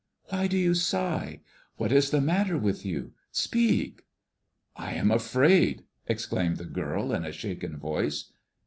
Why do you sigh? What is the matter with you? Speak." "I am afraid!" exclaimed the girl, in a shaken voice.